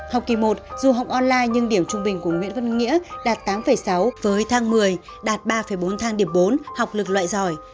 học kỳ một dù học online nhưng điểm trung bình của nguyễn văn nghĩa đạt tám sáu với thang một mươi đạt ba bốn thang điểm bốn học lực loại giỏi